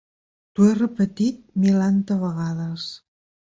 T'ho he repetit milanta vegades!